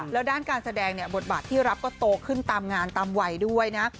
แล้วด้านการแสดงเนี่ยบทบาทที่รับก็โตขึ้นตามงานตามวัยด้วยนะ